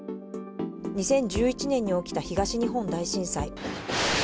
２０１１年に起きた東日本大震災。